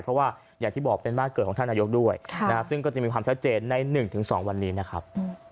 เพราะว่าอย่างที่บอกเป็นบ้านเกิดของท่านนายกด้วยซึ่งก็จะมีความชัดเจนใน๑๒วันนี้นะครับ